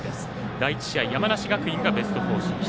第１試合、山梨学院がベスト４進出。